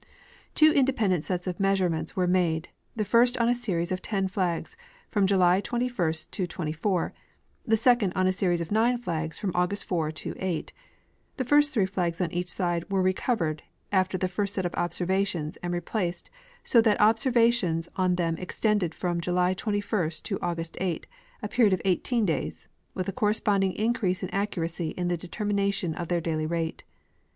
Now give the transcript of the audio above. Two independent sets of measurements Avere made, the first on a series of ten flags from July 21 to 24, the second on a series of nine flags from August 4 to 8. The first three flags on each side were recovered after the first set of observations and replaced, so that observations on them extended from July 21 to August S, a period of 18 days, with a corresponding increase inaccuracy in the determination of their daily rate.